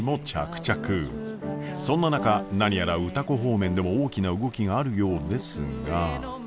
そんな中何やら歌子方面でも大きな動きがあるようですが。